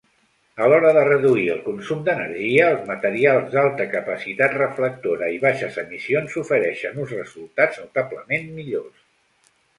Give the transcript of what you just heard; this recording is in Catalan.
A l'hora de reduir el consum d'energia, els materials d'alta capacitat reflectora i baixes emissions ofereixen uns resultats notablement millors.